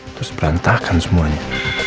terus berantakan semuanya